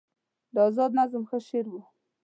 د ازاد نظم ښه شاعر و